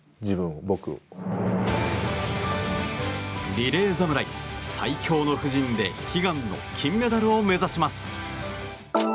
リレー侍、最強の布陣で悲願の金メダルを目指します。